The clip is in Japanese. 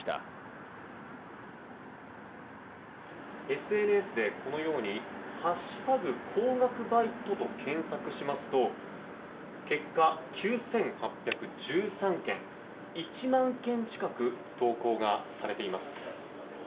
ＳＮＳでこのように「＃高額バイト」と検索しますと結果、９８１３件１万件近く投稿がされています。